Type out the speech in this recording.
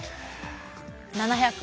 ７００？